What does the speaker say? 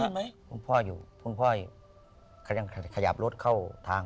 ไหมคุณพ่ออยู่คุณพ่อเขายังขยับรถเข้าทาง